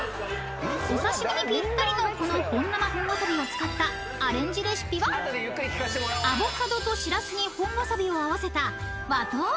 ［お刺し身にぴったりのこの本生本わさびを使ったアレンジレシピはアボカドとしらすに本わさびを合わせた］